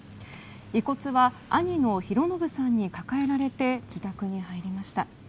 遺骨は兄の寛信さんに抱えられて自宅に入りました。